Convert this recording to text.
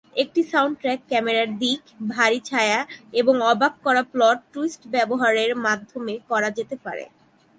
এটি সাউন্ডট্র্যাক, ক্যামেরার দিক, ভারী ছায়া এবং অবাক করা প্লট টুইস্ট ব্যবহারের মাধ্যমে করা যেতে পারে।